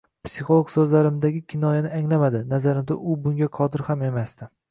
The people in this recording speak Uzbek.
Psixolog so’zlarimdagi kinoyani anglamadi. Nazarimda, u bunga qodir ham emasdi.